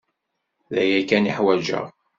D aya kan i ḥwajeɣ.